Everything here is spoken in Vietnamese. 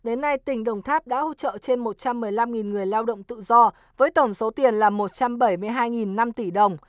đến nay tỉnh đồng tháp đã hỗ trợ trên một trăm một mươi năm người lao động tự do với tổng số tiền là một trăm bảy mươi hai năm tỷ đồng